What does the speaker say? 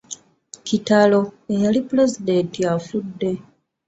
Kitalo ayaliko Pulezidenti afudde!